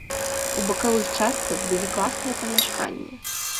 У бакавых частках былі класныя памяшканні.